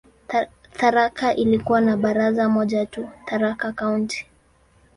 Tharaka ilikuwa na baraza moja tu, "Tharaka County".